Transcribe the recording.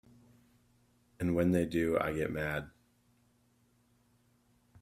And when they do I get mad.